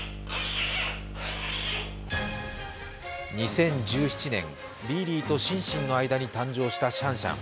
２０１７年、リーリーとシンシンの間に誕生したシャンシャン。